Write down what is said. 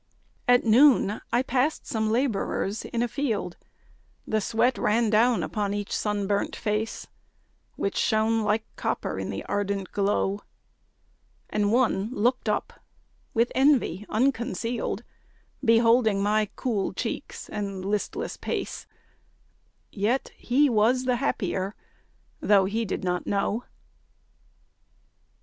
At noon I passed some labourers in a field. The sweat ran down upon each sunburnt face, Which shone like copper in the ardent glow. And one looked up, with envy unconcealed, Beholding my cool cheeks and listless pace, Yet he was happier, though he did not know.